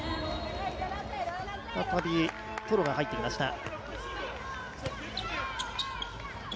再びトロが入ってきました。